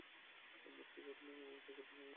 মন কী উঠলো, পকেট ফাঁকা হয়ে গেলো।